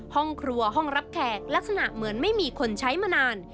ห้องครัวห้องรับแขกลักษณะเหมือนไม่มีคนใช้มานาน